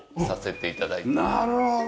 なるほど！